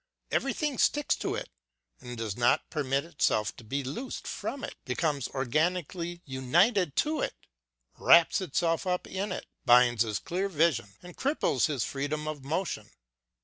Everything sticks to it and does not permit itself to be loosed from it, becomes organically united to it, wraps itself up in it, blinds his clear vision and cripples his freedom of motion.